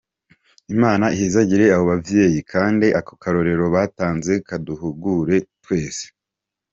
Imana ihezagire abo bavyeyi kandi akarorero batanze kaduhugure twese.